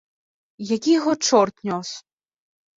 Які яго чорт нёс!